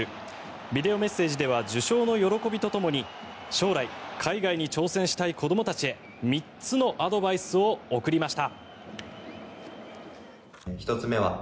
ビデオメッセージでは受賞の喜びとともに将来、海外に挑戦したい子どもたちへ３つのアドバイスを送りました。